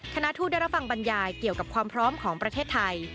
คณะทูตได้รับฟังบรรยายเกี่ยวกับความพร้อมของประเทศไทย